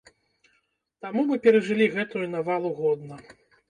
Таму мы перажылі гэтую навалу годна.